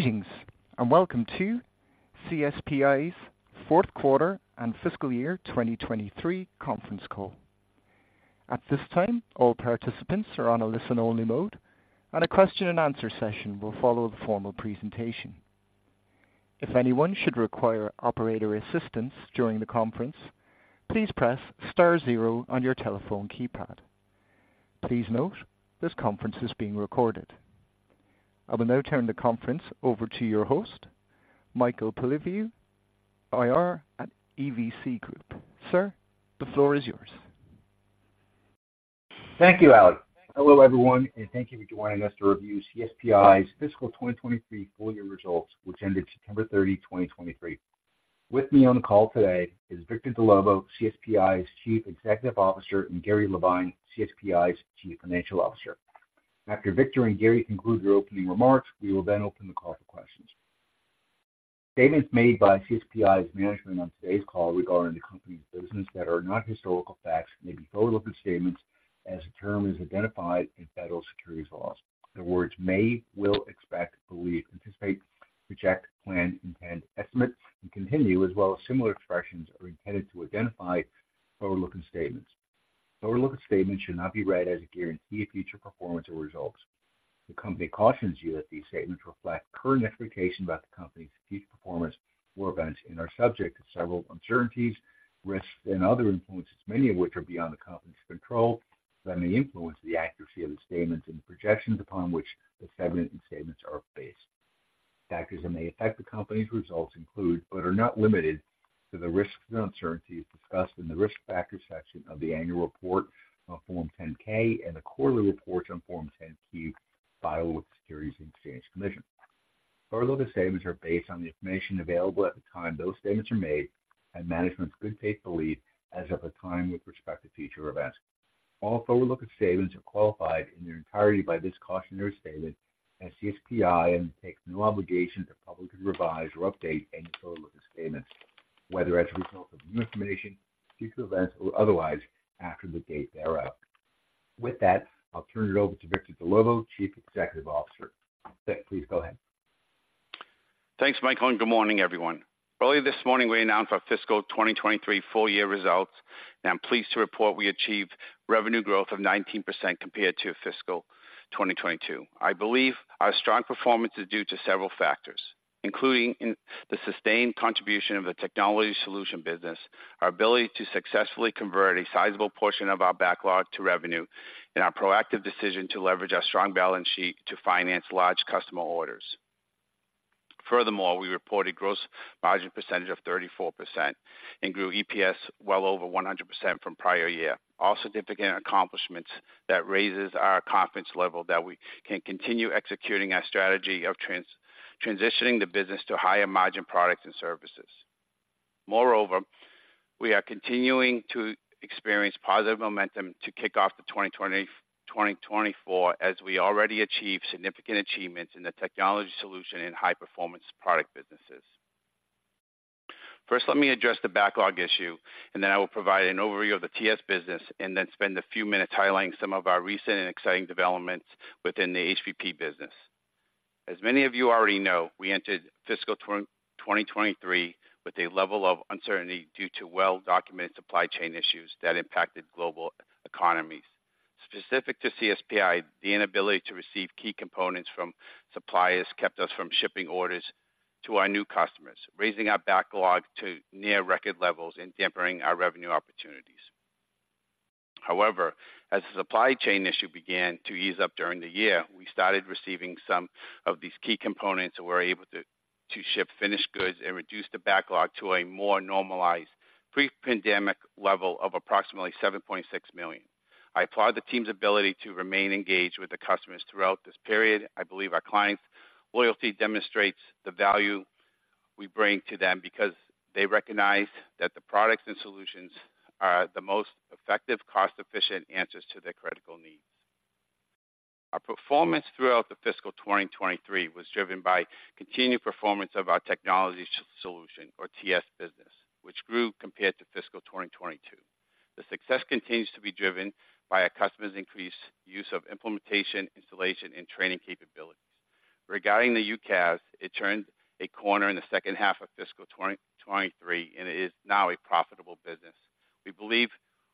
Greetings, and welcome to CSPi's fourth quarter and fiscal year 2023 conference call. At this time, all participants are on a listen-only mode, and a question and answer session will follow the formal presentation. If anyone should require operator assistance during the conference, please press star zero on your telephone keypad. Please note, this conference is being recorded. I will now turn the conference over to your host, Michael Polyviou, IR at EVC Group. Sir, the floor is yours. Thank you, Alex. Hello, everyone, and thank you for joining us to review CSPi's fiscal 2023 full year results, which ended September 30, 2023. With me on the call today is Victor Dellovo, CSPi's Chief Executive Officer, and Gary Levine, CSPi's Chief Financial Officer. After Victor and Gary conclude their opening remarks, we will then open the call for questions. Statements made by CSPi's management on today's call regarding the company's business that are not historical facts may be forward-looking statements as the term is identified in federal securities laws. The words may, will, expect, believe, anticipate, project, plan, intend, estimate, and continue, as well as similar expressions, are intended to identify forward-looking statements. Forward-looking statements should not be read as a guarantee of future performance or results. The company cautions you that these statements reflect current expectations about the company's future performance or events and are subject to several uncertainties, risks, and other influences, many of which are beyond the company's control, that may influence the accuracy of the statements and projections upon which the statements and statements are based. Factors that may affect the company's results include, but are not limited to, the risks and uncertainties discussed in the Risk Factors section of the annual report on Form 10-K and the quarterly reports on Form 10-K filed with the Securities and Exchange Commission. Forward-looking statements are based on the information available at the time those statements are made and management's good faith belief as of the time with respect to future events. All forward-looking statements are qualified in their entirety by this cautionary statement, and CSPi undertakes no obligation to publicly revise or update any forward-looking statements, whether as a result of new information, future events, or otherwise after the date thereof. With that, I'll turn it over to Victor Dellovo, Chief Executive Officer. Vic, please go ahead. Thanks, Michael, and good morning, everyone. Earlier this morning, we announced our fiscal 2023 full-year results, and I'm pleased to report we achieved revenue growth of 19% compared to fiscal 2022. I believe our strong performance is due to several factors, including in the sustained contribution of the technology solution business, our ability to successfully convert a sizable portion of our backlog to revenue, and our proactive decision to leverage our strong balance sheet to finance large customer orders. Furthermore, we reported gross margin percentage of 34% and grew EPS well over 100% from prior year. All significant accomplishments that raises our confidence level that we can continue executing our strategy of trans-transitioning the business to higher margin products and services. Moreover, we are continuing to experience positive momentum to kick off 2024, as we already achieved significant achievements in the Technology Solutions and High-Performance Products businesses. First, let me address the backlog issue, and then I will provide an overview of the TS business and then spend a few minutes highlighting some of our recent and exciting developments within the HPP business. As many of you already know, we entered fiscal 2023 with a level of uncertainty due to well-documented supply chain issues that impacted global economies. Specific to CSPi, the inability to receive key components from suppliers kept us from shipping orders to our new customers, raising our backlog to near record levels and dampening our revenue opportunities. However, as the supply chain issue began to ease up during the year, we started receiving some of these key components and were able to ship finished goods and reduce the backlog to a more normalized pre-pandemic level of approximately $7.6 million. I applaud the team's ability to remain engaged with the customers throughout this period. I believe our clients' loyalty demonstrates the value we bring to them because they recognize that the products and solutions are the most effective, cost-efficient answers to their critical needs. Our performance throughout the fiscal 2023 was driven by continued performance of our technology solution, or TS business, which grew compared to fiscal 2022. The success continues to be driven by our customers' increased use of implementation, installation, and training capabilities. Regarding the UCaaS, it turned a corner in the second half of fiscal 2023 and is now a profitable business. We believe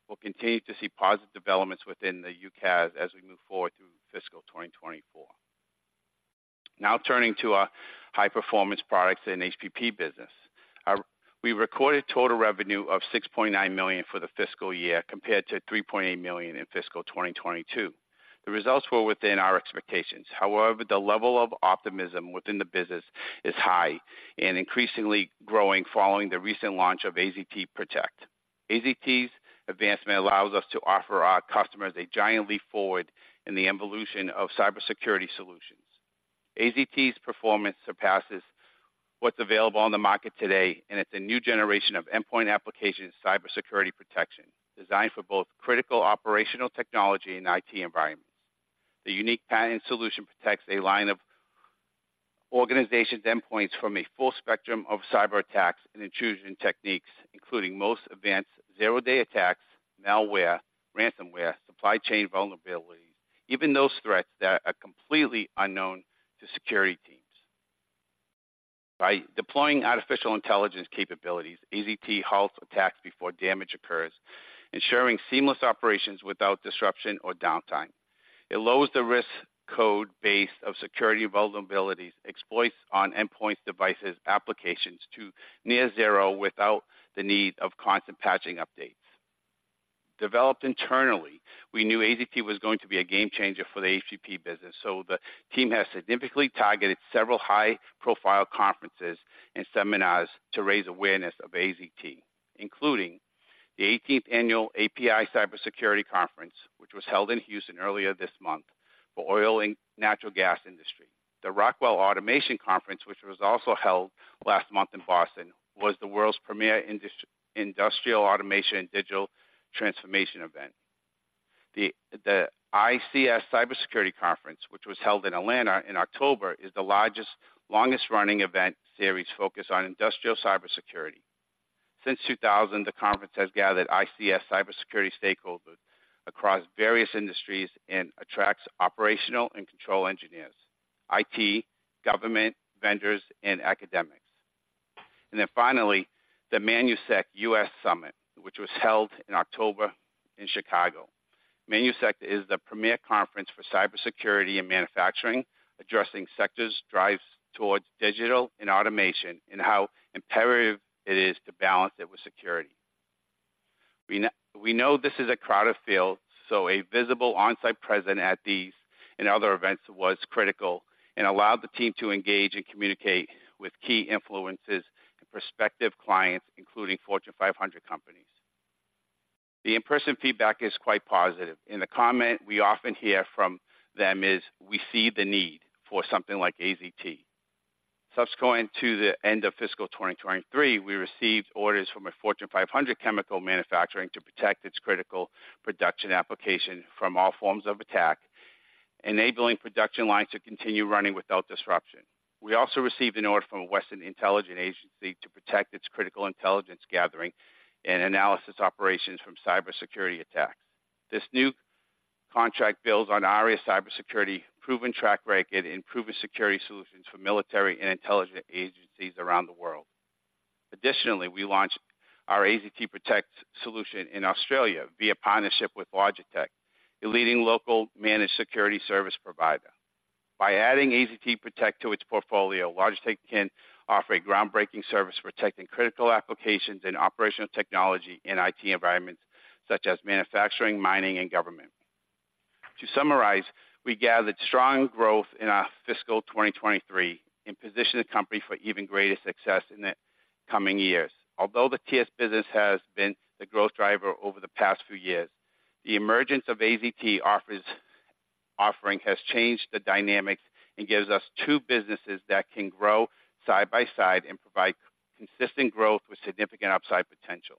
we'll continue to see positive developments within the UCaaS as we move forward through fiscal 2024. Now, turning to our High Performance Products in HPP business. We recorded total revenue of $6.9 million for the fiscal year, compared to $3.8 million in fiscal 2022. The results were within our expectations. However, the level of optimism within the business is high and increasingly growing following the recent launch of AZT PROTECT. AZT PROTECT's advancement allows us to offer our customers a giant leap forward in the evolution of cybersecurity solutions. AZT PROTECT's performance surpasses what's available on the market today, and it's a new generation of endpoint application cybersecurity protection designed for both critical operational technology and IT environments. The unique patented solution protects an organization's endpoints from a full spectrum of cyberattacks and intrusion techniques, including the most advanced zero-day attacks, malware, ransomware, supply chain vulnerabilities, even those threats that are completely unknown to security teams. By deploying artificial intelligence capabilities, AZT halts attacks before damage occurs, ensuring seamless operations without disruption or downtime. It lowers the risk code base of security vulnerabilities, exploits on endpoints, devices, applications to near zero without the need for constant patching updates. Developed internally, we knew AZT was going to be a game changer for the CSP business. So the team has significantly targeted several high-profile conferences and seminars to raise awareness of AZT, including the eighteenth Annual API Cybersecurity Conference, which was held in Houston earlier this month for oil and natural gas industry. The Rockwell Automation Conference, which was also held last month in Boston, was the world's premier industrial automation and digital transformation event. The ICS Cybersecurity Conference, which was held in Atlanta in October, is the largest, longest running event series focused on industrial cybersecurity. Since 2000, the conference has gathered ICS cybersecurity stakeholders across various industries and attracts operational and control engineers, IT, government, vendors, and academics. Then finally, the ManuSec U.S. Summit, which was held in October in Chicago. ManuSec is the premier conference for cybersecurity and manufacturing, addressing sectors drives towards digital and automation, and how imperative it is to balance it with security. We know, we know this is a crowded field, so a visible on-site presence at these and other events was critical and allowed the team to engage and communicate with key influencers and prospective clients, including Fortune 500 companies. The in-person feedback is quite positive, and the comment we often hear from them is, "We see the need for something like AZT." Subsequent to the end of fiscal 2023, we received orders from a Fortune 500 chemical manufacturing to protect its critical production application from all forms of attack, enabling production lines to continue running without disruption. We also received an order from a Western intelligence agency to protect its critical intelligence gathering and analysis operations from cybersecurity attacks. This new contract builds on ARIA Cybersecurity's proven track record in proven security solutions for military and intelligence agencies around the world. Additionally, we launched our AZT PROTECT solution in Australia via partnership with Logi-Tech, a leading local managed security service provider. By adding AZT PROTECT to its portfolio, Logi-Tech can offer a groundbreaking service, protecting critical applications and operational technology in IT environments such as manufacturing, mining, and government. To summarize, we gathered strong growth in our fiscal 2023 and positioned the company for even greater success in the coming years. Although the TS business has been the growth driver over the past few years, the emergence of AZT offering has changed the dynamics and gives us two businesses that can grow side by side and provide consistent growth with significant upside potential.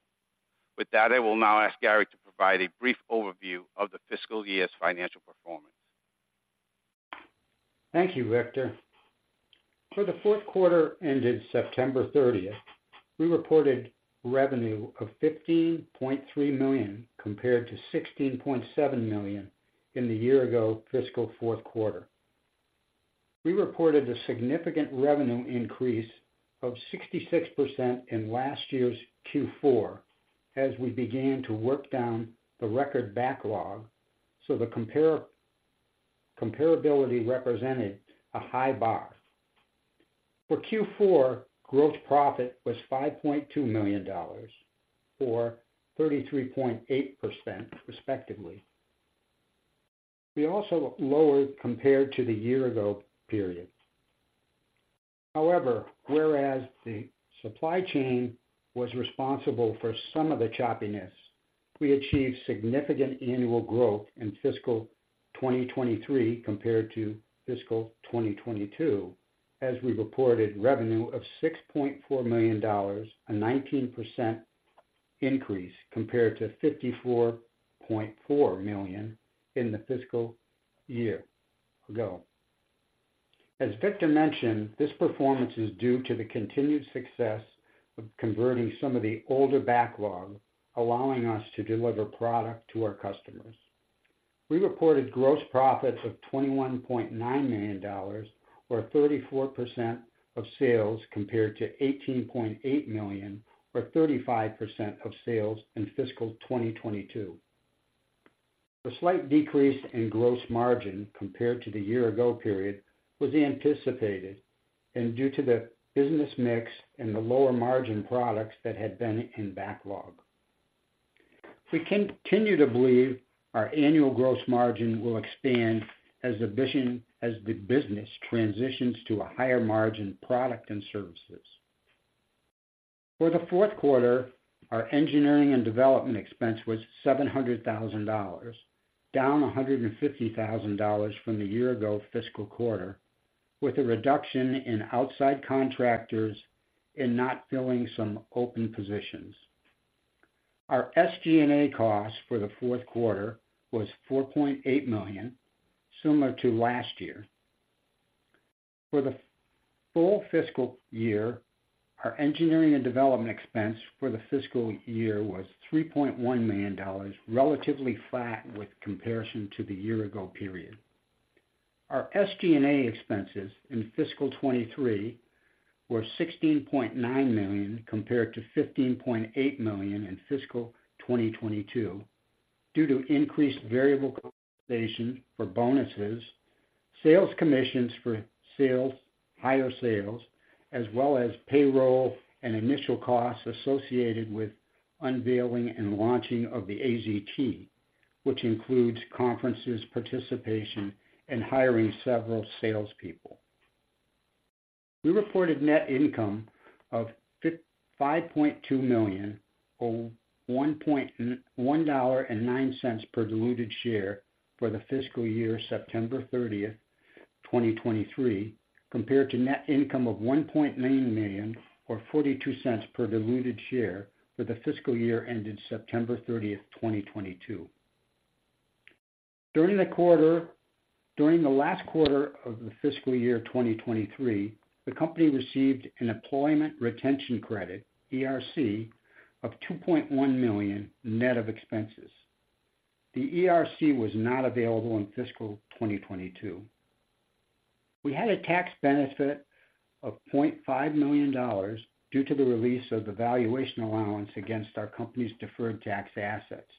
With that, I will now ask Gary to provide a brief overview of the fiscal year's financial performance. Thank you, Victor. For the fourth quarter ended September 30, we reported revenue of $15.3 million, compared to $16.7 million in the year-ago fiscal fourth quarter. We reported a significant revenue increase of 66% in last year's Q4 as we began to work down the record backlog, so the comparability represented a high bar. For Q4, gross profit was $5.2 million, or 33.8%, respectively. We also lowered compared to the year-ago period. However, whereas the supply chain was responsible for some of the choppiness, we achieved significant annual growth in fiscal 2023 compared to fiscal 2022, as we reported revenue of $6.4 million, a 19% increase compared to $54.4 million in the fiscal year ago. As Victor mentioned, this performance is due to the continued success of converting some of the older backlog, allowing us to deliver product to our customers. We reported gross profits of $21.9 million, or 34% of sales, compared to $18.8 million, or 35% of sales in fiscal 2022. The slight decrease in gross margin compared to the year-ago period was anticipated and due to the business mix and the lower margin products that had been in backlog. We continue to believe our annual gross margin will expand as mentioned, as the business transitions to a higher margin product and services. For the fourth quarter, our engineering and development expense was $700,000, down $150,000 from the year-ago fiscal quarter, with a reduction in outside contractors and not filling some open positions. Our SG&A costs for the fourth quarter was $4.8 million, similar to last year. For the full fiscal year our engineering and development expense for the fiscal year was $3.1 million, relatively flat with comparison to the year-ago period. Our SG&A expenses in fiscal 2023 were $16.9 million, compared to $15.8 million in fiscal 2022, due to increased variable compensation for bonuses, sales commissions for sales, higher sales, as well as payroll and initial costs associated with unveiling and launching of the AZT, which includes conferences, participation, and hiring several salespeople. We reported net income of $5.2 million, or $1.09 per diluted share for the fiscal year, September 30, 2023, compared to net income of $1.9 million or $0.42 per diluted share for the fiscal year ended September 30, 2022. During the last quarter of the fiscal year 2023, the company received an Employee Retention Credit, ERC, of $2.1 million net of expenses. The ERC was not available in fiscal 2022. We had a tax benefit of $0.5 million due to the release of the valuation allowance against our company's deferred tax assets.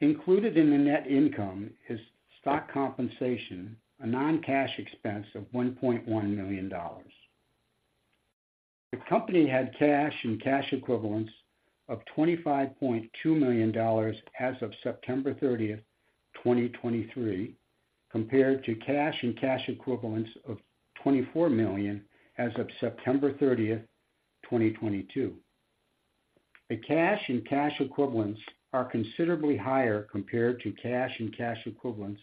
Included in the net income is stock compensation, a non-cash expense of $1.1 million. The company had cash and cash equivalents of $25.2 million as of September 30, 2023, compared to cash and cash equivalents of $24 million as of September 30, 2022. The cash and cash equivalents are considerably higher compared to cash and cash equivalents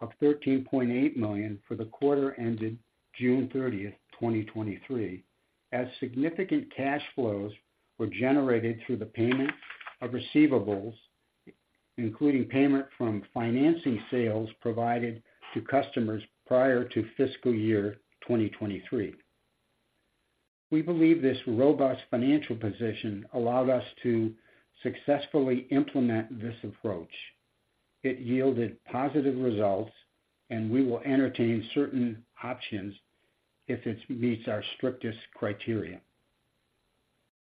of $13.8 million for the quarter ended June 30, 2023, as significant cash flows were generated through the payment of receivables, including payment from financing sales provided to customers prior to fiscal year 2023. We believe this robust financial position allowed us to successfully implement this approach. It yielded positive results, and we will entertain certain options if it meets our strictest criteria.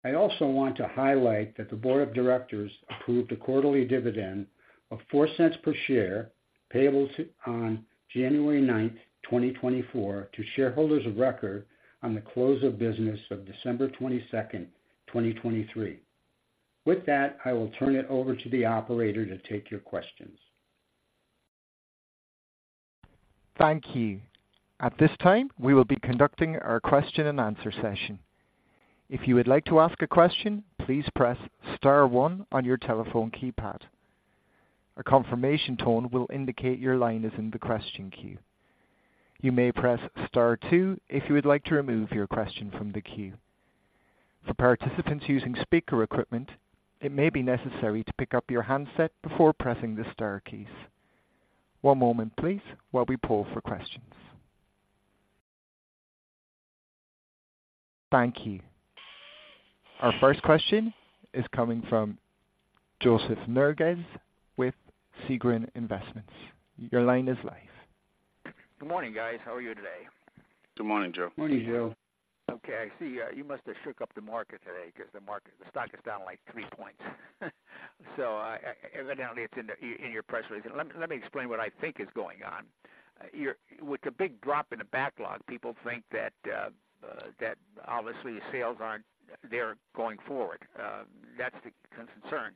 I also want to highlight that the board of directors approved a quarterly dividend of $0.04 per share, payable on January ninth, 2024, to shareholders of record on the close of business of December twenty-second, 2023. With that, I will turn it over to the operator to take your questions. Thank you. At this time, we will be conducting our question-and-answer session. If you would like to ask a question, please press star one on your telephone keypad. A confirmation tone will indicate your line is in the question queue. You may press star two if you would like to remove your question from the queue. For participants using speaker equipment, it may be necessary to pick up your handset before pressing the star keys. One moment, please, while we pull for questions. Thank you. Our first question is coming from Joseph Nergez with Segren Investments. Your line is live. Good morning, guys. How are you today? Good morning, Joe. Morning, Joe. Okay, I see, you must have shook up the market today because the market, the stock is down, like, 3 points. So, evidently it's in your press release. Let me explain what I think is going on. You're with a big drop in the backlog, people think that that obviously the sales aren't there going forward. That's the concern.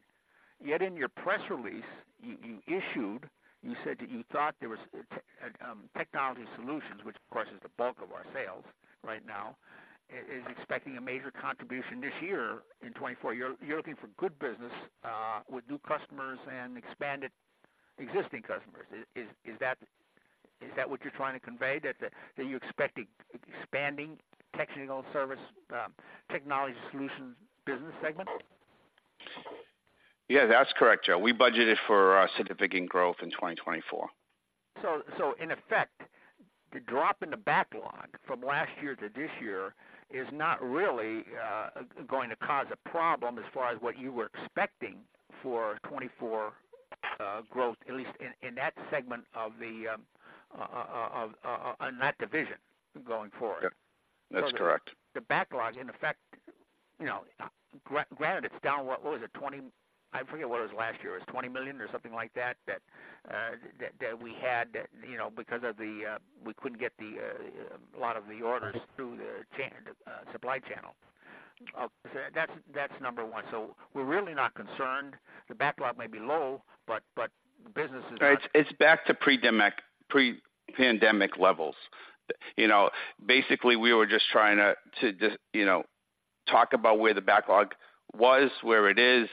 Yet in your press release, you issued, you said that you thought there was Technology Solutions, which, of course, is the bulk of our sales right now, is expecting a major contribution this year in 2024. You're looking for good business with new customers and expanded existing customers. Is that what you're trying to convey, that you expect expanding technical service, technology solution business segment? Yeah, that's correct, Joe. We budgeted for significant growth in 2024. So, in effect, the drop in the backlog from last year to this year is not really going to cause a problem as far as what you were expecting for 2024 growth, at least in that segment of the of on that division going forward. Yep, that's correct. The backlog, in effect, you know, granted, it's down, what was it? 20... I forget what it was last year. It was $20 million or something like that, that, that we had that, you know, because of the, we couldn't get the, a lot of the orders through the supply channel. So that's, that's number one. So we're really not concerned. The backlog may be low, but, but business is- It's back to pre-pandemic levels. You know, basically, we were just trying to just, you know, talk about where the backlog was, where it is,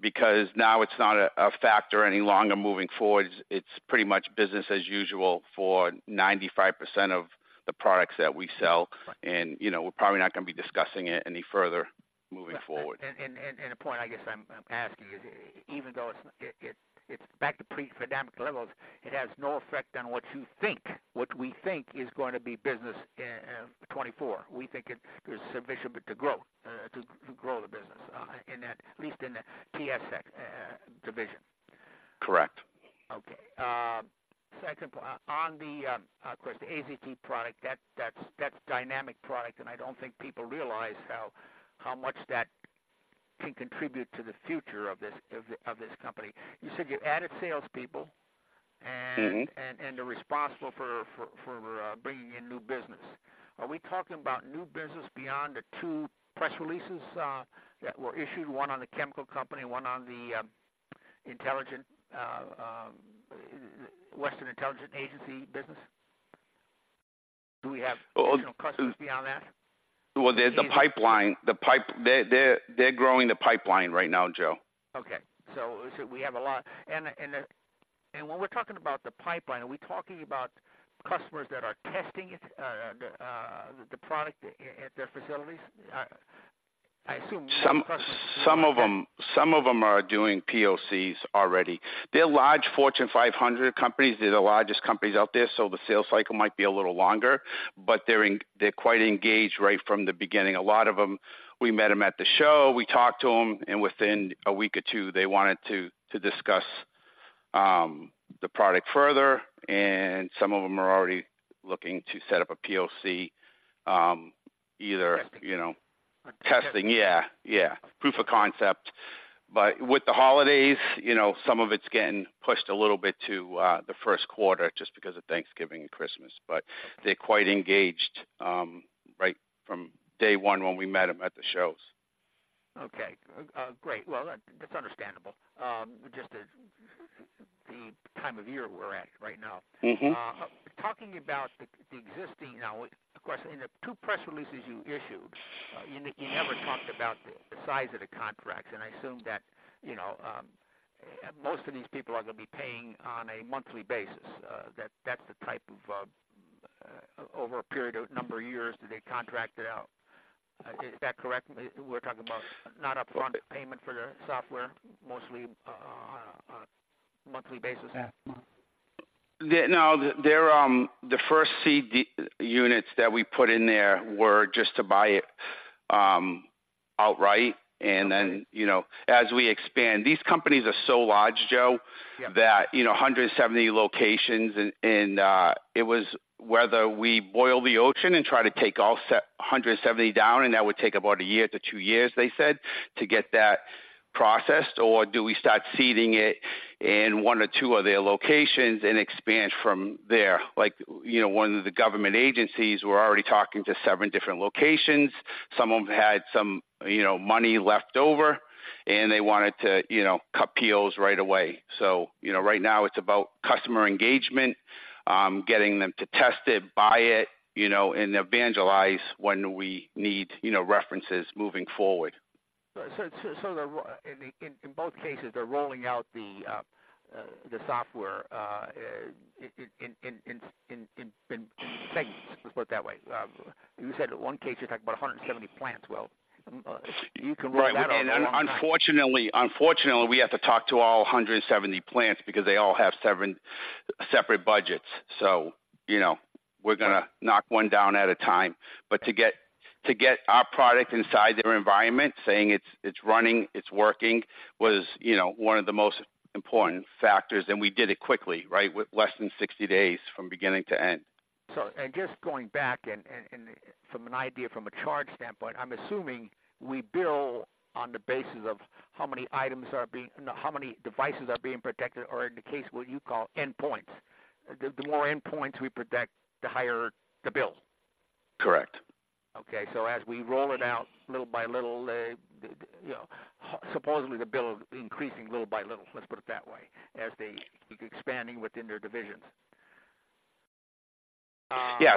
because now it's not a factor any longer moving forward. It's pretty much business as usual for 95% of the products that we sell. And, you know, we're probably not going to be discussing it any further... moving forward. The point I guess I'm asking you, even though it's back to pre-pandemic levels, it has no effect on what you think, what we think is going to be business in 2024. We think it is sufficient to grow the business in that, at least in the TS division. Correct. Okay. Second point, on the, of course, the AZT product, that's dynamic product, and I don't think people realize how much that can contribute to the future of this company. You said you added salespeople- Mm-hmm. And they're responsible for bringing in new business. Are we talking about new business beyond the two press releases that were issued, one on the chemical company, one on the intelligent Western intelligence agency business? Do we have additional customers beyond that? Well, there's the pipeline. They're growing the pipeline right now, Joe. Okay, so we have a lot. And when we're talking about the pipeline, are we talking about customers that are testing it, the product at their facilities? I assume- Some of them are doing POCs already. They're large Fortune 500 companies. They're the largest companies out there, so the sales cycle might be a little longer, but they're quite engaged right from the beginning. A lot of them, we met them at the show, we talked to them, and within a week or two, they wanted to discuss the product further, and some of them are already looking to set up a POC, either, you know- Testing. Testing, yeah. Yeah, proof of concept. But with the holidays, you know, some of it's getting pushed a little bit to the first quarter just because of Thanksgiving and Christmas, but they're quite engaged right from day one when we met them at the shows. Okay. Great. Well, that's understandable. Just the time of year we're at right now. Mm-hmm. Talking about the existing now, of course, in the two press releases you issued, you never talked about the size of the contracts, and I assume that, you know, most of these people are gonna be paying on a monthly basis. That, that's the type of over a period of number of years that they contracted out. Is that correct? We're talking about not upfront payment for the software, mostly on a monthly basis? Yeah. No, they're the first CD units that we put in there were just to buy it outright. And then, you know, as we expand, these companies are so large, Joe- Yeah That, you know, 170 locations and, and, it was whether we boil the ocean and try to take all 170 down, and that would take about a year to two years, they said, to get that processed, or do we start seeding it in one or two of their locations and expand from there? Like, you know, one of the government agencies, we're already talking to seven different locations. Some of them had some, you know, money left over, and they wanted to, you know, cut deals right away. So, you know, right now it's about customer engagement, getting them to test it, buy it, you know, and evangelize when we need, you know, references moving forward. So, they're... In both cases, they're rolling out the software in phases. Let's put it that way. You said in one case, you're talking about 170 plants. Well, you can roll that out- Unfortunately, unfortunately, we have to talk to all 170 plants because they all have seven separate budgets. So, you know, we're gonna knock one down at a time. But to get, to get our product inside their environment, saying it's, it's running, it's working, was, you know, one of the most important factors, and we did it quickly, right? With less than 60 days from beginning to end. So, just going back, from an idea from a charge standpoint, I'm assuming we bill on the basis of how many items are being protected... how many devices are being protected, or in the case, what you call endpoints. The more endpoints we protect, the higher the bill. Correct. Okay, so as we roll it out little by little, you know, supposedly the bill increasing little by little, let's put it that way, as they expanding within their divisions. Yeah.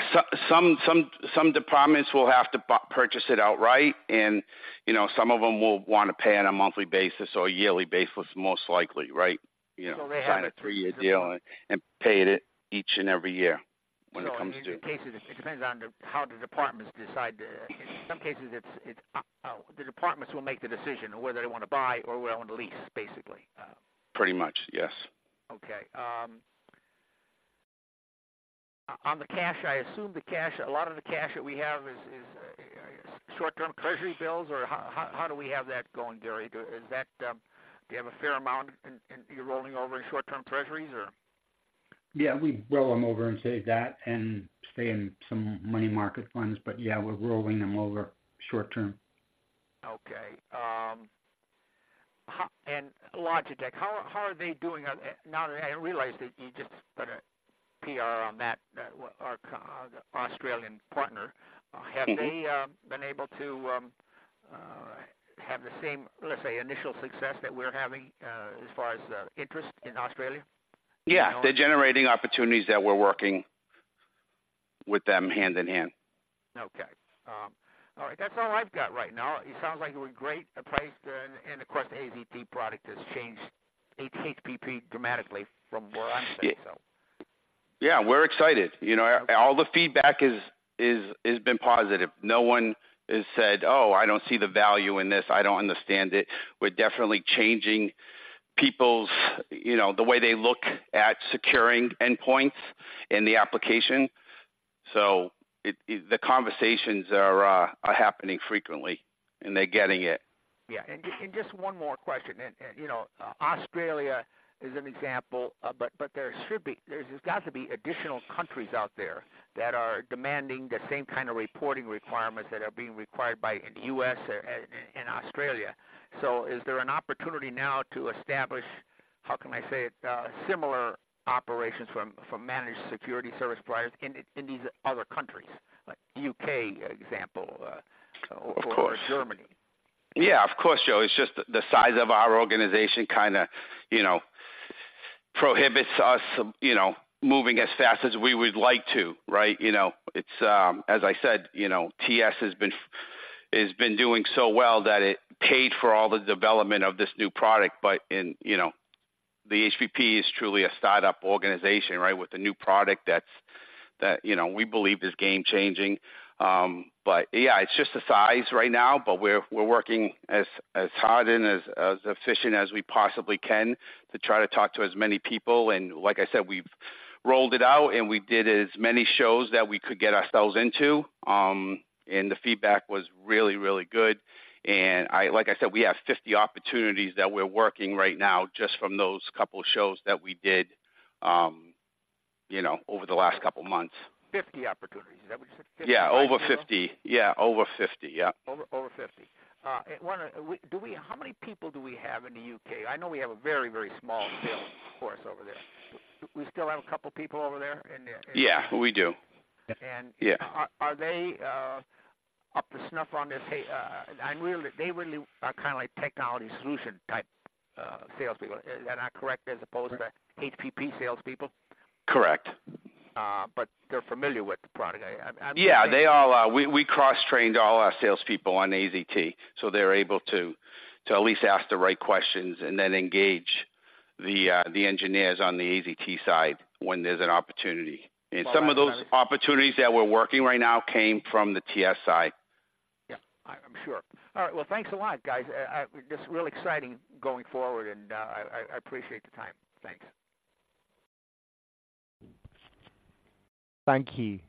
Some departments will have to purchase it outright, and, you know, some of them will want to pay on a monthly basis or a yearly basis, most likely, right? You know- So they have- sign a three-year deal and pay it each and every year when it comes to In cases, it depends on how the departments decide to... In some cases, it's the departments will make the decision on whether they want to buy or whether they want to lease, basically. Pretty much, yes. Okay, on the cash, I assume the cash, a lot of the cash that we have is short-term treasury bills, or how do we have that going, Gary? Is that, do you have a fair amount in your rolling over in short-term treasuries, or? Yeah, we roll them over and say that, and stay in some money market funds, but yeah, we're rolling them over short term. Okay, how... And Logi-Tech, how are they doing? Now that I realize that you just put a PR on that, our Australian partner. Mm-hmm. Have they been able to have the same, let's say, initial success that we're having, as far as interest in Australia? Yeah, they're generating opportunities that we're working with them hand in hand. Okay. All right. That's all I've got right now. It sounds like we're great priced, and of course, the AZT product has changed HPP dramatically from where I'm sitting, so.... Yeah, we're excited. You know, all the feedback has been positive. No one has said, "Oh, I don't see the value in this. I don't understand it." We're definitely changing people's, you know, the way they look at securing endpoints in the application. So the conversations are happening frequently, and they're getting it. Yeah. And just one more question. You know, Australia is an example, but there should be, there's got to be additional countries out there that are demanding the same kind of reporting requirements that are being required in the U.S. and Australia. So is there an opportunity now to establish, how can I say it, similar operations from managed security service providers in these other countries, like U.K., example? Of course. Or Germany? Yeah, of course, Joe. It's just the size of our organization kind of, you know, prohibits us, you know, moving as fast as we would like to, right? You know, it's, as I said, you know, TS has been doing so well that it paid for all the development of this new product. But in, you know, the HPP is truly a startup organization, right? With a new product that's, you know, we believe is game changing. But yeah, it's just the size right now, but we're working as hard and as efficient as we possibly can to try to talk to as many people. And like I said, we've rolled it out, and we did as many shows that we could get ourselves into. And the feedback was really, really good. Like I said, we have 50 opportunities that we're working right now, just from those couple shows that we did, you know, over the last couple of months. 50 opportunities, is that what you said? Yeah, over 50. Yeah, over 50. Yep. Over 50. Do we, how many people do we have in the U.K.? I know we have a very, very small sales force over there. Do we still have a couple of people over there in the- Yeah, we do. And- Yeah. Are they up to snuff on this? Hey, and really, they really are kind of like technology solution type salespeople. Is that correct, as opposed to HPP salespeople? Correct. But they're familiar with the product. Yeah, they all, we cross-trained all our salespeople on AZT, so they're able to at least ask the right questions and then engage the engineers on the AZT side when there's an opportunity. All right. Some of those opportunities that we're working right now came from the TSI. Yeah, I'm sure. All right. Well, thanks a lot, guys. Just really exciting going forward, and I appreciate the time. Thanks. Thank you.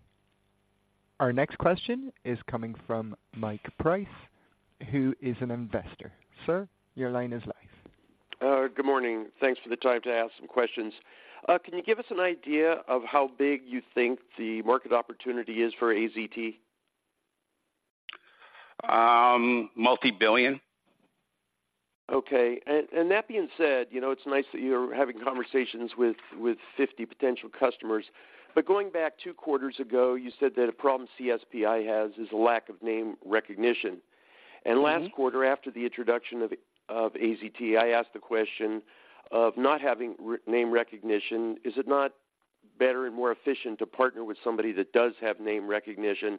Our next question is coming from Mike Price, who is an investor. Sir, your line is live. Good morning. Thanks for the time to ask some questions. Can you give us an idea of how big you think the market opportunity is for AZT? Um, multi-billion. Okay. And that being said, you know, it's nice that you're having conversations with 50 potential customers. But going back 2 quarters ago, you said that a problem CSPi has is a lack of name recognition. Mm-hmm. Last quarter, after the introduction of AZT, I asked the question of not having our name recognition, is it not better and more efficient to partner with somebody that does have name recognition?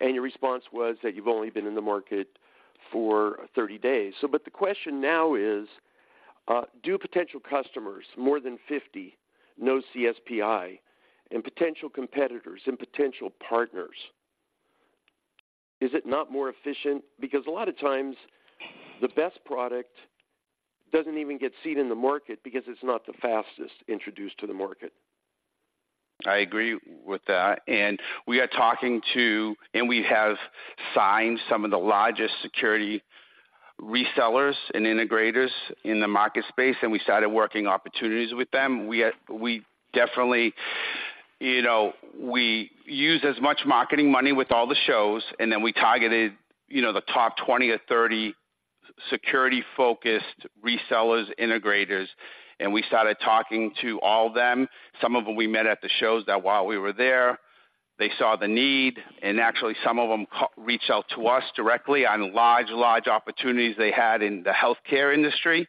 And your response was that you've only been in the market for 30 days. So but the question now is, do potential customers, more than 50, know CSPi and potential competitors and potential partners? Is it not more efficient? Because a lot of times, the best product doesn't even get seen in the market because it's not the fastest introduced to the market. I agree with that. And we are talking to, and we have signed some of the largest security resellers and integrators in the market space, and we started working opportunities with them. We are—we definitely, you know, we use as much marketing money with all the shows, and then we targeted, you know, the top 20 or 30 security-focused resellers, integrators, and we started talking to all of them. Some of them we met at the shows that while we were there, they saw the need, and actually some of them reached out to us directly on large, large opportunities they had in the healthcare industry,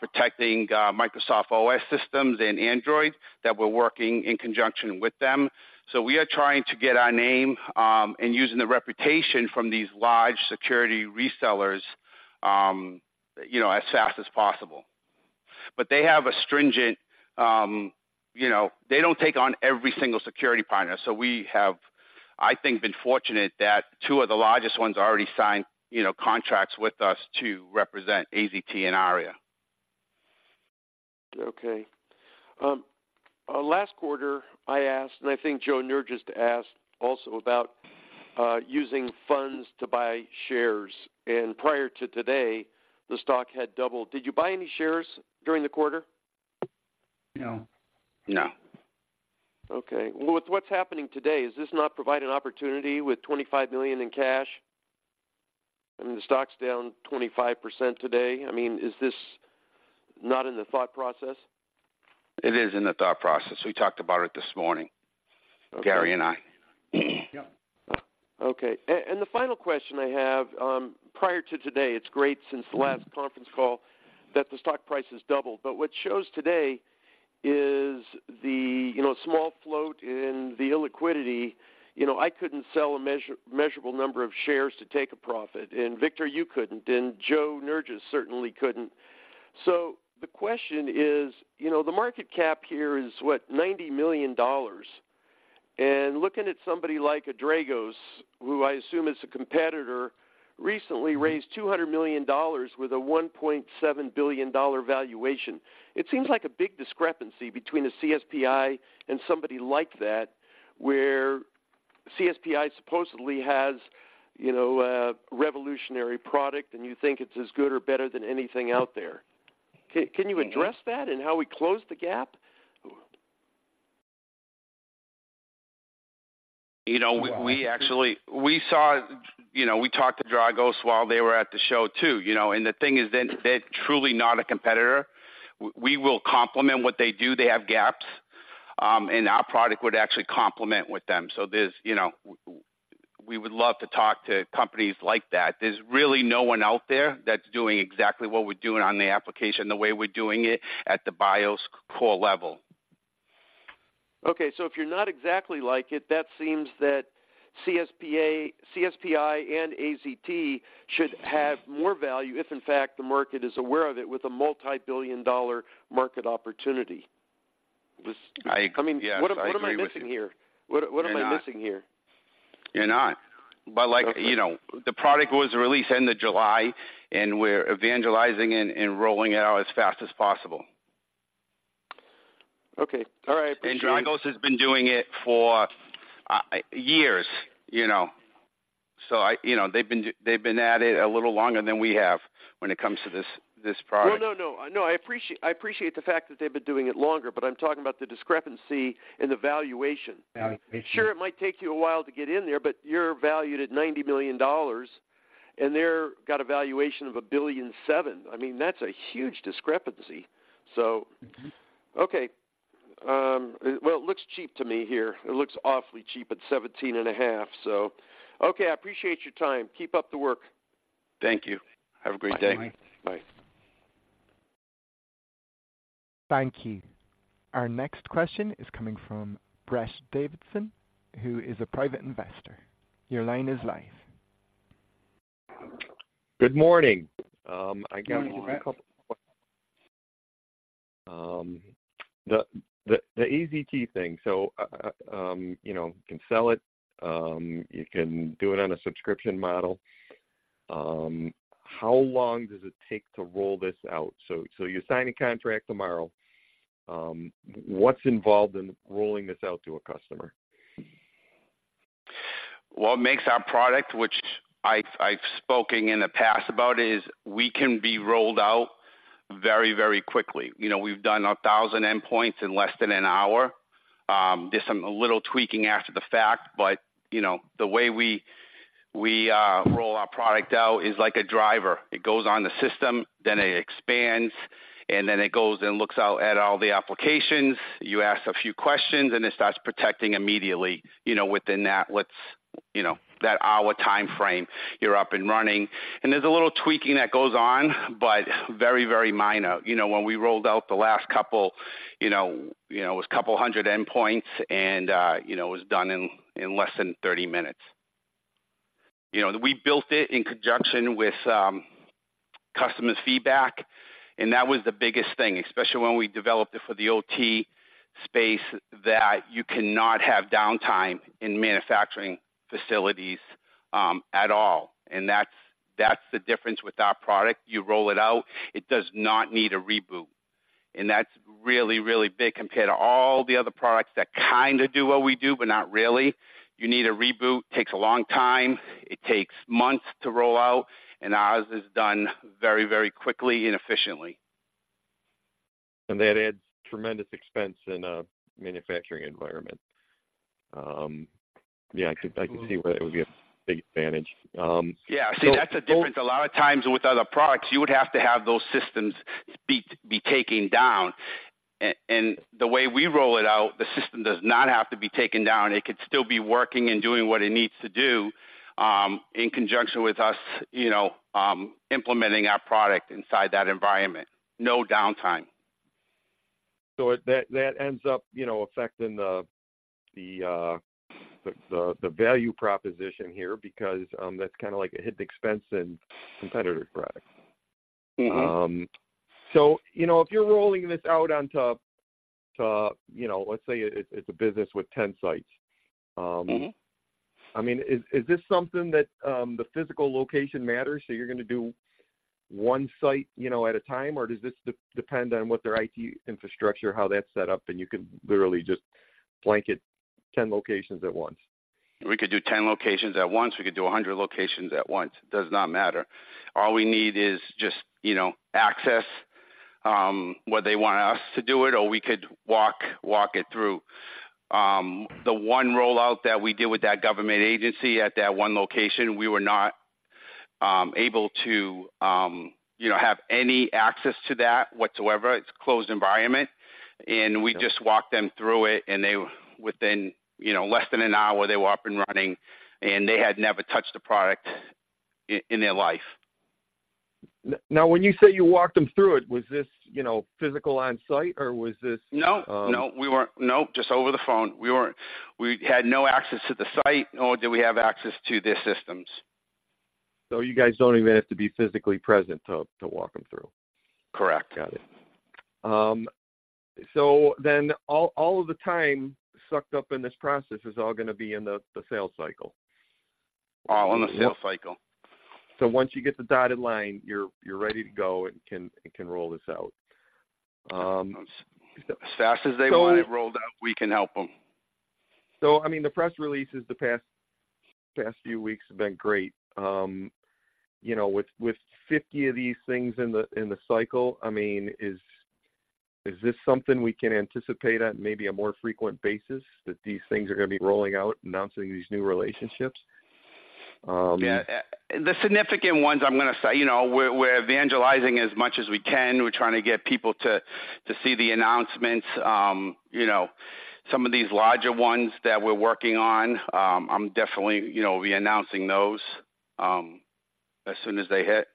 protecting Microsoft OS systems and Android, that we're working in conjunction with them. So we are trying to get our name, and using the reputation from these large security resellers, you know, as fast as possible. But they have a stringent, you know, they don't take on every single security partner. So we have, I think, been fortunate that two of the largest ones already signed, you know, contracts with us to represent AZT and ARIA. Okay. Last quarter, I asked, and I think Joe Nergez just asked also about using funds to buy shares, and prior to today, the stock had doubled. Did you buy any shares during the quarter? No. No. Okay. Well, with what's happening today, is this not provide an opportunity with $25 million in cash? I mean, the stock's down 25% today. I mean, is this not in the thought process? It is in the thought process. We talked about it this morning- Okay. Gary and I. Yeah. Okay. And, and the final question I have, prior to today, it's great since the last conference call that the stock price has doubled. But what shows today is the, you know, small float and the illiquidity. You know, I couldn't sell a measurable number of shares to take a profit, and Victor, you couldn't, and Joe Nergez certainly couldn't. So the question is, you know, the market cap here is, what? $90 million. And looking at somebody like Dragos, who I assume is a competitor, recently raised $200 million with a $1.7 billion valuation. It seems like a big discrepancy between a CSPi and somebody like that, where CSPi supposedly has, you know, a revolutionary product, and you think it's as good or better than anything out there. Can you address that and how we close the gap? You know, we actually saw, you know, we talked to Dragos while they were at the show, too, you know, and the thing is, they're truly not a competitor. We will complement what they do. They have gaps, and our product would actually complement with them. So there's, you know, we would love to talk to companies like that. There's really no one out there that's doing exactly what we're doing on the application, the way we're doing it at the BIOS core level. Okay, so if you're not exactly like it, that seems that CSPi and AZT should have more value, if in fact, the market is aware of it, with a multibillion-dollar market opportunity. This- Yes, I agree with you. What am I missing here? What, what am I missing here? You're not. But like, you know, the product was released end of July, and we're evangelizing and, and rolling it out as fast as possible. Okay. All right, appreciate. Dragos has been doing it for years, you know. So, you know, they've been at it a little longer than we have when it comes to this, this product. Well, no, no. No, I appreciate, I appreciate the fact that they've been doing it longer, but I'm talking about the discrepancy in the valuation. Yeah. Sure, it might take you a while to get in there, but you're valued at $90 million, and they've got a valuation of $1.7 billion. I mean, that's a huge discrepancy. So- Mm-hmm. Okay, well, it looks cheap to me here. It looks awfully cheap at $17.5, so... Okay, I appreciate your time. Keep up the work. Thank you. Have a great day. Bye. Thank you. Our next question is coming from Brett Davidson, who is a private investor. Your line is live. Good morning. I got a couple- Good morning, Brett. The AZT thing, so, you know, you can sell it, you can do it on a subscription model. How long does it take to roll this out? So you sign a contract tomorrow, what's involved in rolling this out to a customer? What makes our product, which I've spoken in the past about, is we can be rolled out very, very quickly. You know, we've done 1,000 endpoints in less than an hour. There's some a little tweaking after the fact, but, you know, the way we roll our product out is like a driver. It goes on the system, then it expands, and then it goes and looks out at all the applications. You ask a few questions, and it starts protecting immediately, you know, within that, what's, you know, that hour time frame, you're up and running. There's a little tweaking that goes on, but very, very minor. You know, when we rolled out the last couple, you know, you know, it was a couple hundred endpoints, and, you know, it was done in less than 30 minutes. You know, we built it in conjunction with, customers' feedback, and that was the biggest thing, especially when we developed it for the OT space, that you cannot have downtime in manufacturing facilities, at all. And that's, that's the difference with our product. You roll it out, it does not need a reboot. And that's really, really big compared to all the other products that kind of do what we do, but not really. You need a reboot, takes a long time, it takes months to roll out, and ours is done very, very quickly and efficiently. That adds tremendous expense in a manufacturing environment. Yeah, I could, I can see where it would be a big advantage. So- Yeah, see, that's a difference. A lot of times with other products, you would have to have those systems be taken down. And the way we roll it out, the system does not have to be taken down. It could still be working and doing what it needs to do, in conjunction with us, you know, implementing our product inside that environment. No downtime. So that ends up, you know, affecting the value proposition here, because that's kind of like a hidden expense in competitor products. Mm-hmm. So, you know, if you're rolling this out onto, to, you know, let's say it's, it's a business with 10 sites, Mm-hmm. I mean, is this something that the physical location matters, so you're going to do one site, you know, at a time, or does this depend on what their IT infrastructure, how that's set up, and you can literally just blanket 10 locations at once? We could do 10 locations at once. We could do a hundred locations at once. Does not matter. All we need is just, you know, access, whether they want us to do it, or we could walk it through. The one rollout that we did with that government agency at that one location, we were not able to, you know, have any access to that whatsoever. It's a closed environment, and we just walked them through it, and they, within, you know, less than an hour, they were up and running, and they had never touched the product in their life. Now, when you say you walked them through it, was this, you know, physical on-site, or was this? No, just over the phone. We weren't. We had no access to the site, nor did we have access to their systems.... So you guys don't even have to be physically present to walk them through? Correct. Got it. So then all of the time sucked up in this process is all going to be in the sales cycle? All on the sales cycle. So once you get the dotted line, you're ready to go and can roll this out- As fast as they want it rolled out, we can help them. So, I mean, the press releases the past few weeks have been great. You know, with 50 of these things in the cycle, I mean, is this something we can anticipate on maybe a more frequent basis, that these things are going to be rolling out, announcing these new relationships? Yeah. The significant ones, I'm going to say, you know, we're evangelizing as much as we can. We're trying to get people to see the announcements. You know, some of these larger ones that we're working on, I'm definitely, you know, be announcing those, as soon as they hit.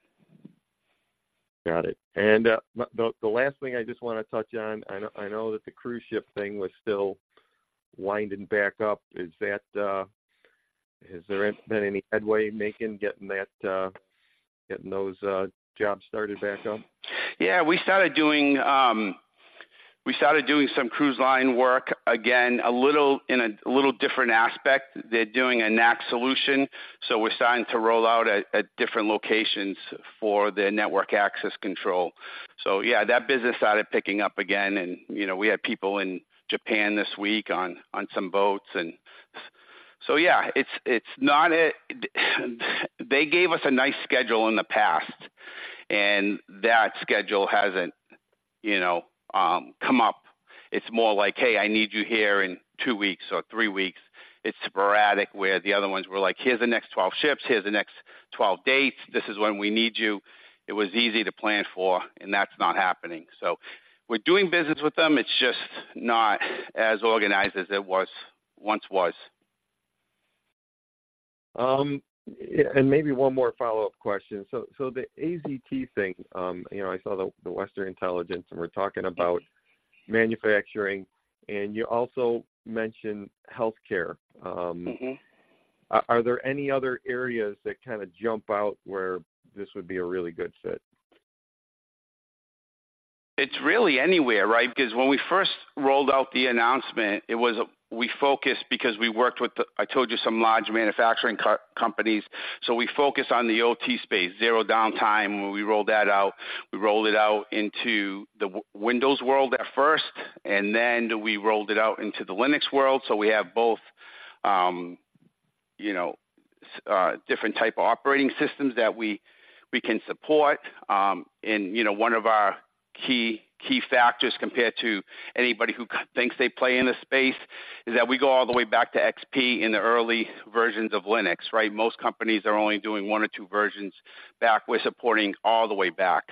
Got it. And the last thing I just want to touch on, I know, I know that the cruise ship thing was still winding back up. Is that... Has there been any headway making, getting that, getting those jobs started back up? Yeah, we started doing some cruise line work. Again, a little different aspect. They're doing a NAC solution, so we're starting to roll out at different locations for the network access control. So yeah, that business started picking up again, and, you know, we had people in Japan this week on some boats. And so, yeah, it's not. They gave us a nice schedule in the past, and that schedule hasn't, you know, come up. It's more like, "Hey, I need you here in two weeks or three weeks." It's sporadic, where the other ones were like, "Here's the next 12 ships. Here's the next 12 dates. This is when we need you." It was easy to plan for, and that's not happening. So we're doing business with them. It's just not as organized as it was, once was. And maybe one more follow-up question. So, the AZT thing, you know, I saw the Western Intelligence, and we're talking about manufacturing, and you also mentioned healthcare. Mm-hmm. Are there any other areas that kind of jump out where this would be a really good fit? It's really anywhere, right? Because when we first rolled out the announcement, it was we focused because we worked with, I told you, some large manufacturing companies, so we focused on the OT space, zero downtime. When we rolled that out, we rolled it out into the Windows world at first, and then we rolled it out into the Linux world. So we have both, you know, different type of operating systems that we can support. And, you know, one of our key factors compared to anybody who thinks they play in this space is that we go all the way back to XP in the early versions of Linux, right? Most companies are only doing one or two versions back. We're supporting all the way back,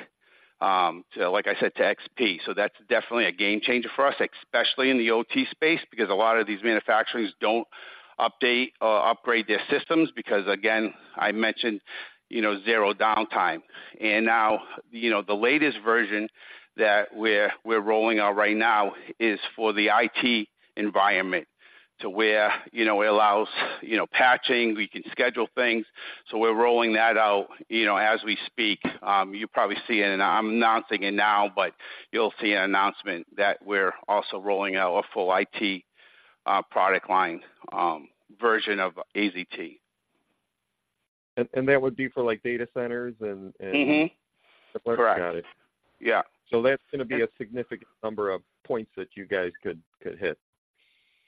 to, like I said, to XP. So that's definitely a game changer for us, especially in the OT space, because a lot of these manufacturers don't update or upgrade their systems, because, again, I mentioned, you know, zero downtime. And now, you know, the latest version that we're rolling out right now is for the IT environment, to where, you know, it allows, you know, patching, we can schedule things. So we're rolling that out, you know, as we speak. You probably see it, and I'm announcing it now, but you'll see an announcement that we're also rolling out a full IT product line version of AZT. And that would be for, like, data centers and Mm-hmm. Got it. Yeah. So that's going to be a significant number of points that you guys could hit.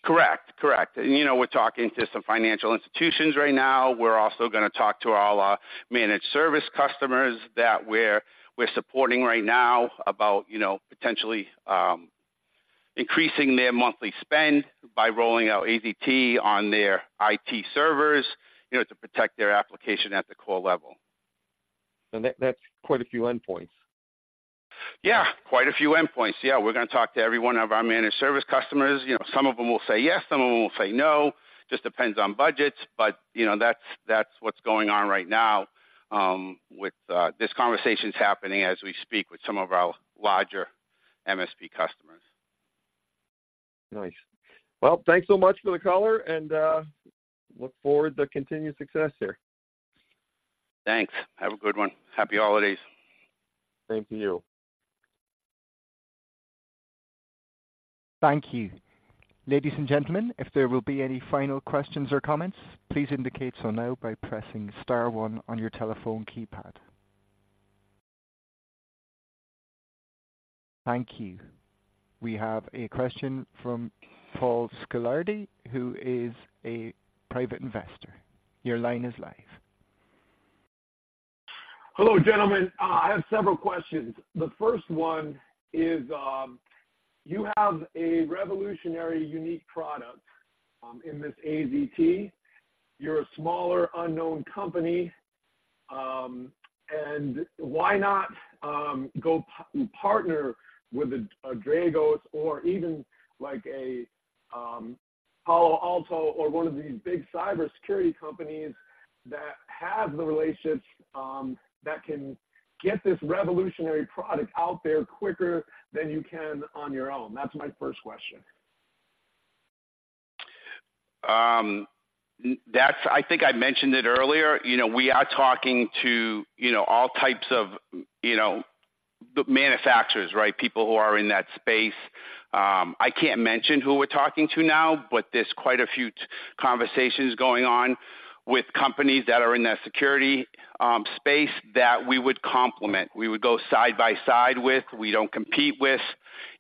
Correct. Correct. You know, we're talking to some financial institutions right now. We're also going to talk to all our managed service customers that we're supporting right now about, you know, potentially increasing their monthly spend by rolling out AZT on their IT servers, you know, to protect their application at the core level. That, that's quite a few endpoints. Yeah, quite a few endpoints. Yeah, we're going to talk to every one of our managed service customers. You know, some of them will say yes, some of them will say no. Just depends on budgets, but you know, that's what's going on right now. This conversation is happening as we speak with some of our larger MSP customers. Nice. Well, thanks so much for the call, and look forward to continued success here. Thanks. Have a good one. Happy holidays! Thank you. Thank you. Ladies and gentlemen, if there will be any final questions or comments, please indicate so now by pressing star one on your telephone keypad. Thank you. We have a question from Paul Shortino, who is a private investor. Your line is live. Hello, gentlemen. I have several questions. The first one is, you have a revolutionary, unique product in this AZT. You're a smaller, unknown company, and why not go partner with a Dragos or even, like, a Palo Alto or one of these big cybersecurity companies that have the relationships that can get this revolutionary product out there quicker than you can on your own? That's my first question.... That's, I think I mentioned it earlier. You know, we are talking to, you know, all types of, you know, the manufacturers, right? People who are in that space. I can't mention who we're talking to now, but there's quite a few conversations going on with companies that are in that security space that we would complement. We would go side by side with, we don't compete with,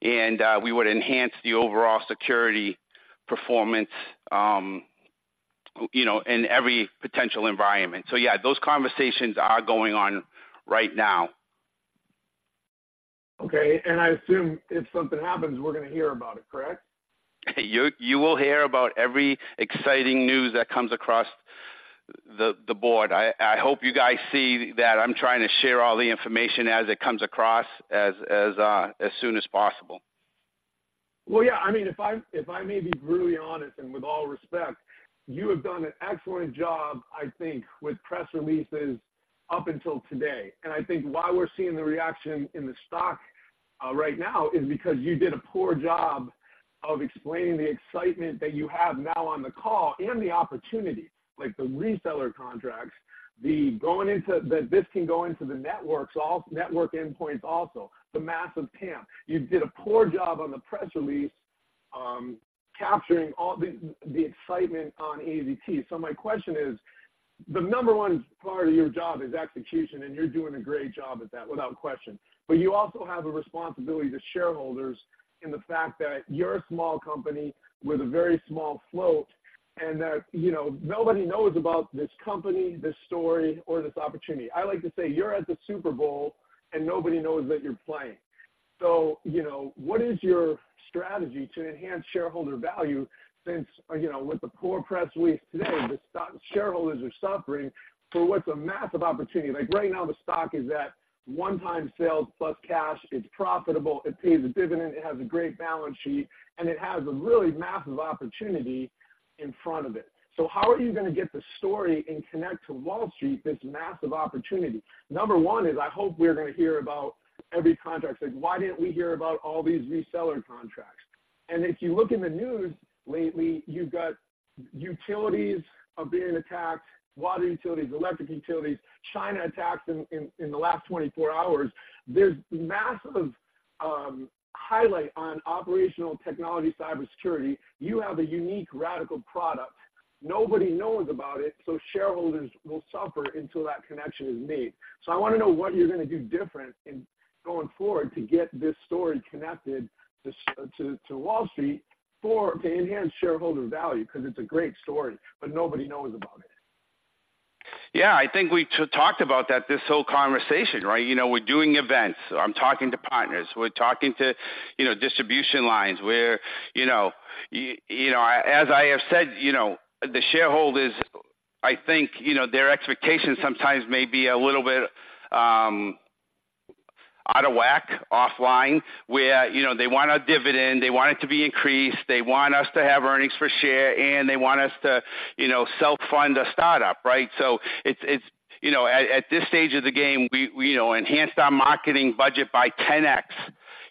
and we would enhance the overall security performance, you know, in every potential environment. So yeah, those conversations are going on right now. Okay, and I assume if something happens, we're going to hear about it, correct? You will hear about every exciting news that comes across the board. I hope you guys see that I'm trying to share all the information as it comes across as soon as possible. Well, yeah. I mean, if I may be brutally honest, and with all respect, you have done an excellent job, I think, with press releases up until today. And I think why we're seeing the reaction in the stock right now is because you did a poor job of explaining the excitement that you have now on the call and the opportunity, like the reseller contracts, the going into-- that this can go into the networks, all network endpoints, also, the massive ramp. You did a poor job on the press release capturing all the excitement on AZT. So my question is, the number one part of your job is execution, and you're doing a great job at that, without question. But you also have a responsibility to shareholders in the fact that you're a small company with a very small float, and that, you know, nobody knows about this company, this story, or this opportunity. I like to say you're at the Super Bowl and nobody knows that you're playing. So, you know, what is your strategy to enhance shareholder value since, you know, with the poor press release today, the stock shareholders are suffering for what's a massive opportunity? Like, right now, the stock is at 1x sales plus cash. It's profitable, it pays a dividend, it has a great balance sheet, and it has a really massive opportunity in front of it. So how are you going to get the story and connect to Wall Street, this massive opportunity? Number one is, I hope we're going to hear about every contract. Like, why didn't we hear about all these reseller contracts? And if you look in the news lately, you've got utilities are being attacked, water utilities, electric utilities, China attacks in the last 24 hours. There's massive highlight on operational technology, cybersecurity. You have a unique radical product. Nobody knows about it, so shareholders will suffer until that connection is made. So I want to know what you're going to do different in going forward to get this story connected to the Street to Wall Street to enhance shareholder value, because it's a great story, but nobody knows about it. Yeah, I think we talked about that, this whole conversation, right? You know, we're doing events. I'm talking to partners. We're talking to, you know, distribution lines, where, you know... You know, as I have said, you know, the shareholders, I think, you know, their expectations sometimes may be a little bit out of whack, offline, where, you know, they want a dividend, they want it to be increased, they want us to have earnings per share, and they want us to, you know, self-fund a startup, right? So it's, it's, you know, at, at this stage of the game, we, you know, enhanced our marketing budget by 10x,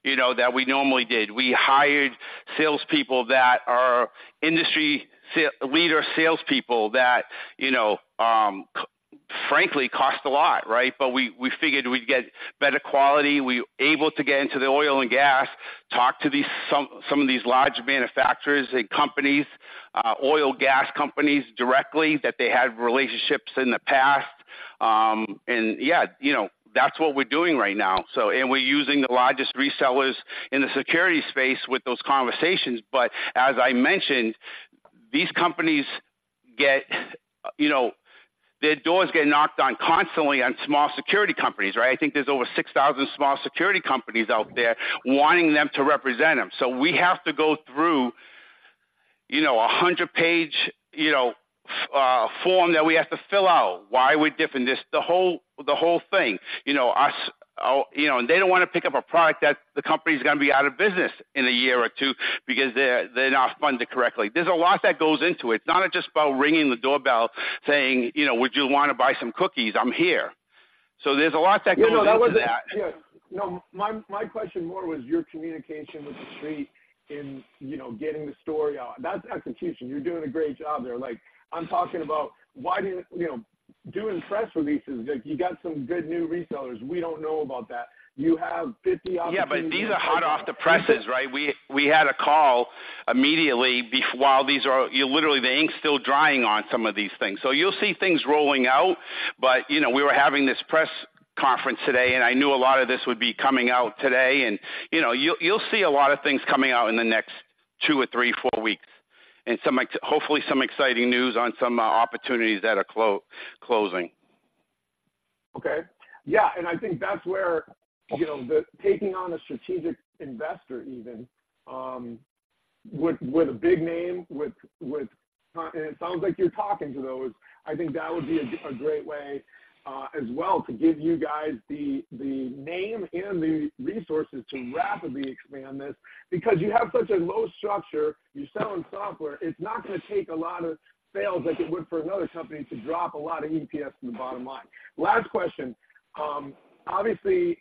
you know, that we normally did. We hired salespeople that are industry sales leader salespeople that, you know, frankly, cost a lot, right? But we, we figured we'd get better quality. We able to get into the oil and gas, talk to these, some of these large manufacturers and companies, oil gas companies directly, that they had relationships in the past. And yeah, you know, that's what we're doing right now. So we're using the largest resellers in the security space with those conversations. But as I mentioned, these companies get, you know, their doors get knocked on constantly on small security companies, right? I think there's over 6,000 small security companies out there wanting them to represent them. So we have to go through, you know, a 100-page, you know, form that we have to fill out. Why we're different, this, the whole thing. You know, us, you know, and they don't want to pick up a product that the company's going to be out of business in a year or two because they're not funded correctly. There's a lot that goes into it. It's not just about ringing the doorbell saying, you know, "Would you want to buy some cookies? I'm here." So there's a lot that goes into that. No, my question more was your communication with the street in, you know, getting the story out. That's execution. You're doing a great job there. Like, I'm talking about, why didn't, you know, doing press releases, like, you got some good new resellers. We don't know about that. You have 50 opportunities- Yeah, but these are hot off the presses, right? We had a call immediately. Literally, the ink's still drying on some of these things. So you'll see things rolling out, but, you know, we were having this press conference today, and I knew a lot of this would be coming out today. You know, you'll see a lot of things coming out in the next two or three, four weeks, and some, hopefully, some exciting news on some opportunities that are closing. Okay. Yeah, and I think that's where, you know, the taking on a strategic investor even, with, with a big name, with, with... And it sounds like you're talking to those. I think that would be a great way, as well, to give you guys the, the name and the resources to rapidly expand this, because you have such a low structure. You're selling software. It's not going to take a lot of sales like it would for another company to drop a lot of EPS in the bottom line. Last question. Obviously,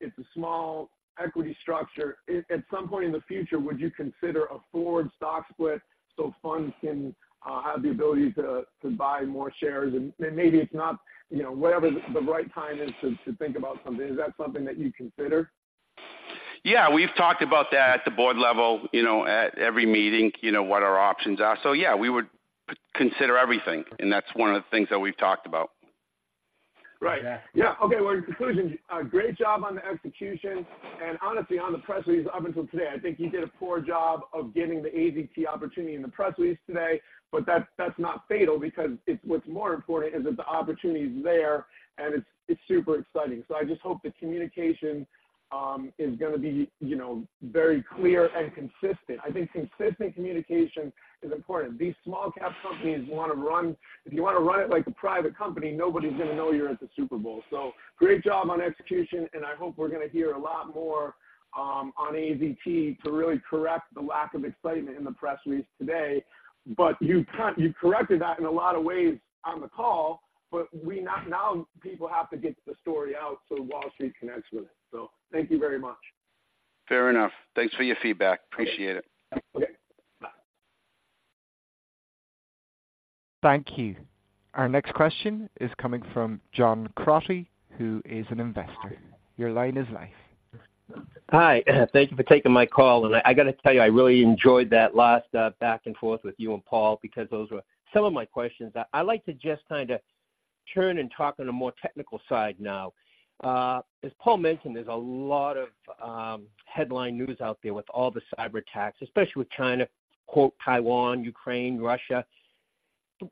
it's a small equity structure. At, at some point in the future, would you consider a forward stock split so funds can, have the ability to, to buy more shares? And maybe it's not, you know, whatever the, the right time is to, to think about something. Is that something that you'd consider?... Yeah, we've talked about that at the board level, you know, at every meeting, you know, what our options are. So, yeah, we would consider everything, and that's one of the things that we've talked about. Right. Yeah. Yeah. Okay, well, in conclusion, a great job on the execution. And honestly, on the press release, up until today, I think you did a poor job of getting the AZT opportunity in the press release today. But that, that's not fatal because it's, what's more important is that the opportunity is there, and it's, it's super exciting. So I just hope the communication is gonna be, you know, very clear and consistent. I think consistent communication is important. These small cap companies wanna run... If you wanna run it like a private company, nobody's gonna know you're at the Super Bowl. So great job on execution, and I hope we're gonna hear a lot more on AZT to really correct the lack of excitement in the press release today. But you kind—you corrected that in a lot of ways on the call, but we now, now people have to get the story out so Wall Street connects with it. So thank you very much. Fair enough. Thanks for your feedback. Appreciate it. Okay. Bye. Thank you. Our next question is coming from John Crotty, who is an investor. Your line is live. Hi, thank you for taking my call. I gotta tell you, I really enjoyed that last back and forth with you and Paul, because those were some of my questions. I'd like to just kinda turn and talk on a more technical side now. As Paul mentioned, there's a lot of headline news out there with all the cyberattacks, especially with China, "Taiwan, Ukraine, Russia."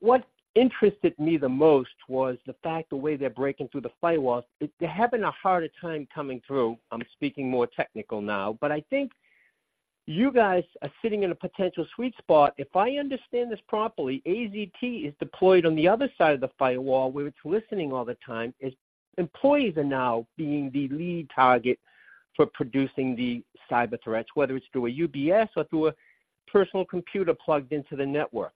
What interested me the most was the fact the way they're breaking through the firewalls, they're having a harder time coming through. I'm speaking more technical now, but I think you guys are sitting in a potential sweet spot. If I understand this properly, AZT is deployed on the other side of the firewall, where it's listening all the time, as employees are now being the lead target for producing the cyber threats, whether it's through a USB or through a personal computer plugged into the network.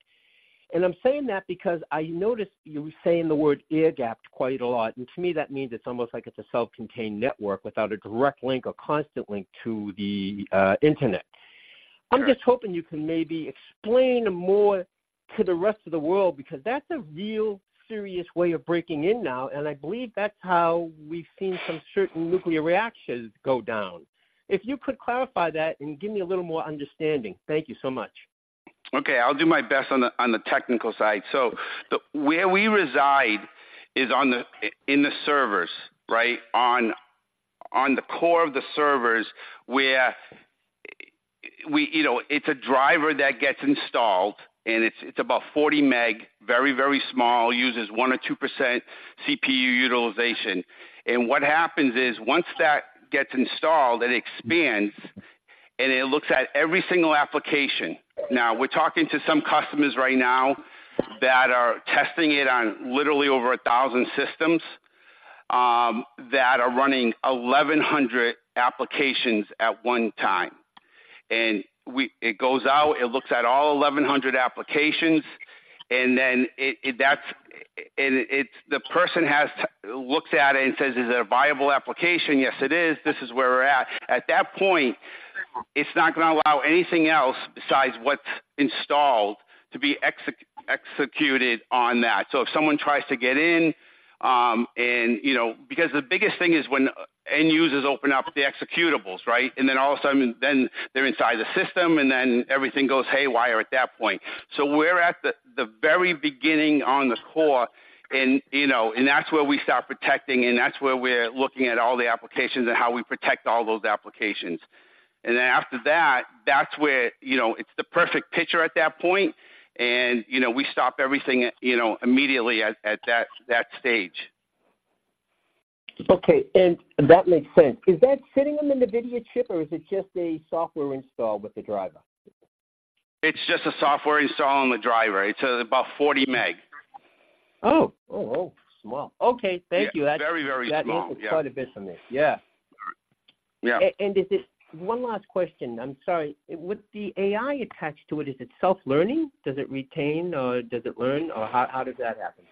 And I'm saying that because I noticed you were saying the word air-gapped quite a lot, and to me, that means it's almost like it's a self-contained network without a direct link or constant link to the internet. I'm just hoping you can maybe explain more to the rest of the world, because that's a real serious way of breaking in now, and I believe that's how we've seen some certain nuclear reactions go down. If you could clarify that and give me a little more understanding? Thank you so much. Okay, I'll do my best on the technical side. So where we reside is in the servers, right? On the core of the servers, where, you know, it's a driver that gets installed, and it's about 40 meg, very, very small, uses 1% or 2% CPU utilization. And what happens is, once that gets installed, it expands, and it looks at every single application. Now, we're talking to some customers right now that are testing it on literally over 1,000 systems that are running 1,100 applications at one time. And it goes out, it looks at all 1,100 applications, and then it, the person has to look at it and says: "Is it a viable application? Yes, it is. This is where we're at." At that point, it's not gonna allow anything else besides what's installed to be executed on that. So if someone tries to get in, and, you know, because the biggest thing is when end users open up the executables, right? And then all of a sudden, then they're inside the system, and then everything goes haywire at that point. So we're at the very beginning on the core and, you know, and that's where we start protecting, and that's where we're looking at all the applications and how we protect all those applications. And then after that, that's where, you know, it's the perfect picture at that point, and, you know, we stop everything, you know, immediately at that stage. Okay, and that makes sense. Is that sitting on the NVIDIA chip, or is it just a software install with the driver? It's just a software install on the driver. It's about 40 meg. Oh, oh, oh, small. Okay, thank you. Very, very small. That makes quite a bit from it. Yeah. Yeah. And, is it... One last question, I'm sorry. With the AI attached to it, is it self-learning? Does it retain or does it learn, or how does that happen?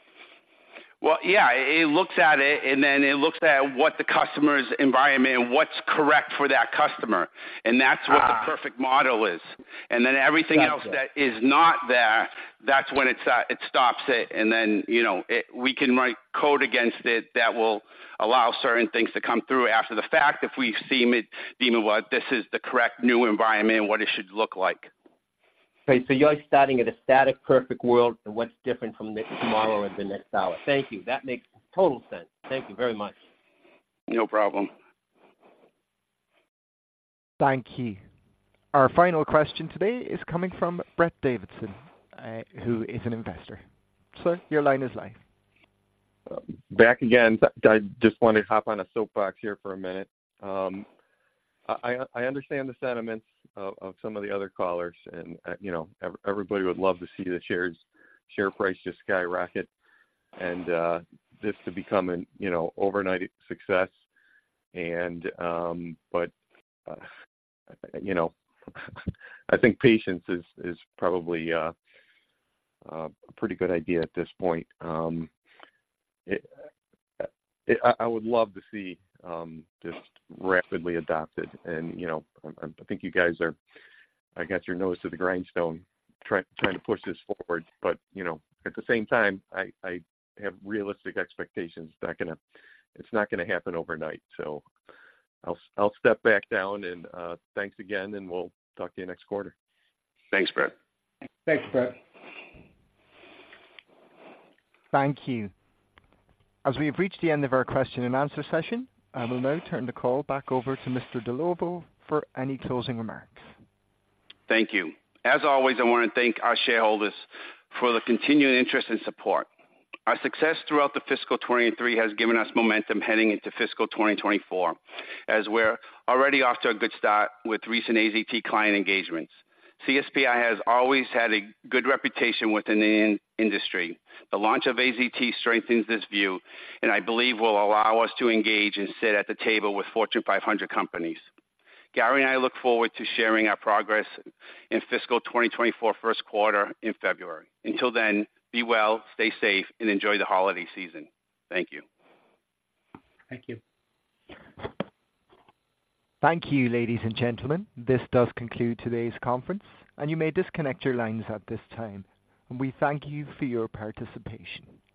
Well, yeah, it looks at it, and then it looks at what the customer's environment and what's correct for that customer. Ah. That's what the perfect model is. Got you. And then everything else that is not there, that's when it's, it stops it, and then, you know, it, we can write code against it that will allow certain things to come through after the fact if we've seen it, deem it what, this is the correct new environment and what it should look like. Okay, so you're starting at a static, perfect world and what's different from tomorrow and the next hour? Thank you. That makes total sense. Thank you very much. No problem. Thank you. Our final question today is coming from Brett Davidson, who is an investor. Sir, your line is live. Back again. I just wanted to hop on a soapbox here for a minute. I understand the sentiments of some of the other callers and, you know, everybody would love to see the shares, share price just skyrocket and this to become an, you know, overnight success. But you know, I think patience is probably a pretty good idea at this point. I would love to see this rapidly adopted and, you know, I think you guys are, I got your nose to the grindstone trying to push this forward. But you know, at the same time, I have realistic expectations. It's not gonna happen overnight. So I'll step back down and thanks again, and we'll talk to you next quarter. Thanks, Brett. Thanks, Brett. Thank you. As we have reached the end of our question and answer session, I will now turn the call back over to Mr. Dellovo for any closing remarks. Thank you. As always, I want to thank our shareholders for the continued interest and support. Our success throughout the fiscal 2023 has given us momentum heading into fiscal 2024, as we're already off to a good start with recent AZT client engagements. CSPi has always had a good reputation within the industry. The launch of AZT strengthens this view, and I believe will allow us to engage and sit at the table with Fortune 500 companies. Gary and I look forward to sharing our progress in fiscal 2024 first quarter in February. Until then, be well, stay safe, and enjoy the holiday season. Thank you. Thank you. Thank you, ladies and gentlemen. This does conclude today's conference, and you may disconnect your lines at this time. We thank you for your participation.